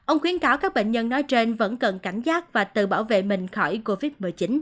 ông khuyến cáo các bệnh nhân nói trên vẫn cần cảnh giác và tự bảo vệ mình khỏi covid một mươi chín